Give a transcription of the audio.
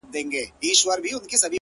په زيارتونو تعويذونو باندې هم و نه سوه!